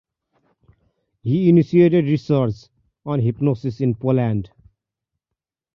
He initiated research on hypnosis in Poland.